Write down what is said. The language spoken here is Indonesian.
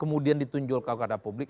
kemudian ditunjul ke kawasan publik